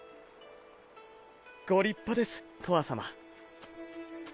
ご立派ですとわさま。